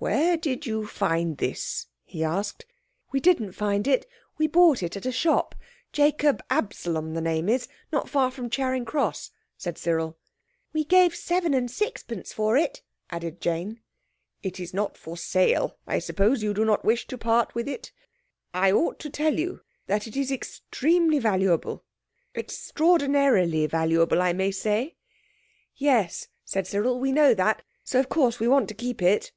"Where did you find this?" he asked. "We didn't find it. We bought it at a shop. Jacob Absalom the name is—not far from Charing Cross," said Cyril. "We gave seven and sixpence for it," added Jane. "It is not for sale, I suppose? You do not wish to part with it? I ought to tell you that it is extremely valuable—extraordinarily valuable, I may say." "Yes," said Cyril, "we know that, so of course we want to keep it."